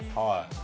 はい。